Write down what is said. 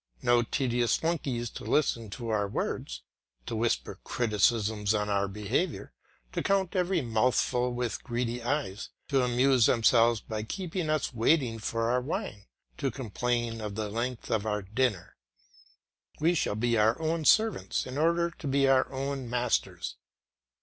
No tedious flunkeys to listen to our words, to whisper criticisms on our behaviour, to count every mouthful with greedy eyes, to amuse themselves by keeping us waiting for our wine, to complain of the length of our dinner. We will be our own servants, in order to be our own masters.